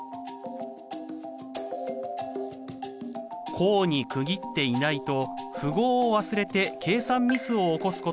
項に区切っていないと符号を忘れて計算ミスを起こすことがあります。